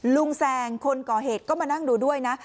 แซงคนก่อเหตุก็มานั่งดูด้วยนะ